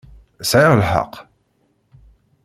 Sɛiɣ lḥeqq?